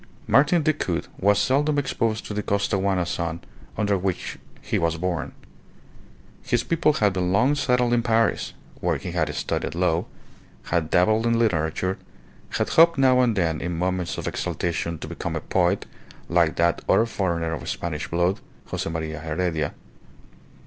Martin Decoud was seldom exposed to the Costaguana sun under which he was born. His people had been long settled in Paris, where he had studied law, had dabbled in literature, had hoped now and then in moments of exaltation to become a poet like that other foreigner of Spanish blood, Jose Maria Heredia.